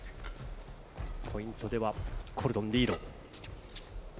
ポイントではコルドン、リード。